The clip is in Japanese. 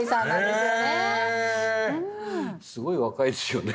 すごい若いですよね。